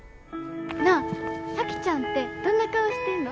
なあ咲妃ちゃんってどんな顔してんの？